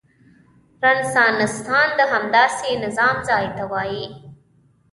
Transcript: رنسانستان د همداسې نظام ځای ته وايي.